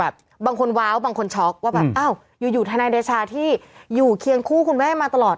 บางคนว้าวบางคนช็อคอยู่ท่านายเดชาที่อยู่เคียงคู่ของคุณแม่มาตลอด